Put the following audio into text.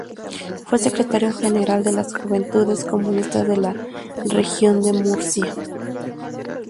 Fue secretario general de las Juventudes Comunistas de la Región de Murcia.